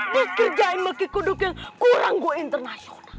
dikerjain dengan kodok yang kurang internasional